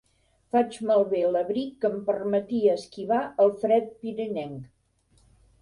Faig malbé l'abric que em permetia esquivar el fred pirenenc.